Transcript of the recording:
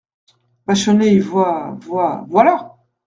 Vachonnet Et voi … voi … voilà !